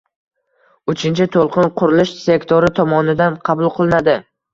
Uchinchi to'lqin qurilish sektori tomonidan qabul qilinadi